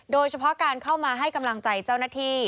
โดยเฉพาะการเข้ามาให้กำลังใจเจ้าหน้าที่